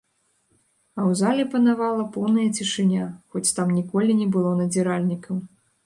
А ў залі панавала поўная цішыня, хоць там ніколі не было надзіральнікаў.